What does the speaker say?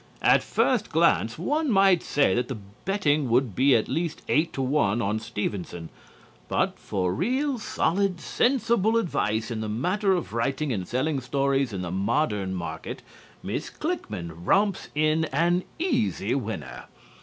At first glance one might say that the betting would be at least eight to one on Stevenson. But for real, solid, sensible advice in the matter of writing and selling stories in the modern market, Miss Klickmann romps in an easy winner.